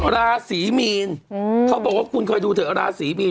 ราศีมีนเขาบอกว่าคุณเคยดูเถอะราศีมีน